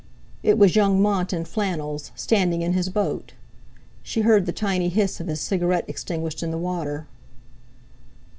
It was young Mont in flannels, standing in his boat. She heard the tiny hiss of his cigarette extinguished in the water.